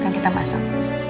kan kita masak